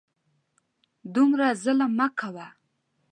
دومره ظلم مه کوه !